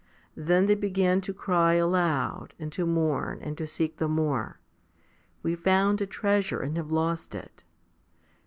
Then they began to cry aloud, and to mourn, and to seek the more. " We found a treasure and have lost it."